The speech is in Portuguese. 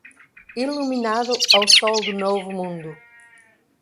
Iluminado ao sol do Novo Mundo